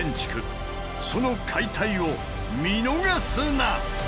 その解体を見逃すな！